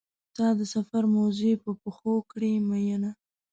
تا د سفر موزې په پښو کړې مینه.